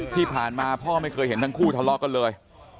ที่ผ่านมาพ่อไม่เคยเห็นทั้งคู่ทะเลาะกันเลย